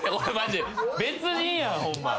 別人やわホンマ。